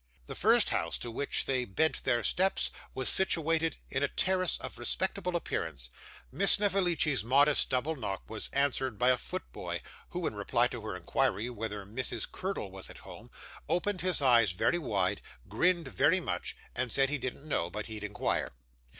The first house to which they bent their steps, was situated in a terrace of respectable appearance. Miss Snevellicci's modest double knock was answered by a foot boy, who, in reply to her inquiry whether Mrs. Curdle was at home, opened his eyes very wide, grinned very much, and said he didn't know, but he'd inquire.